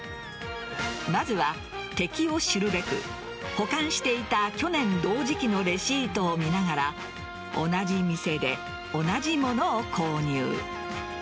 まずは、敵を知るべく保管していた去年同時期のレシートを見ながら同じ店で同じものを購入。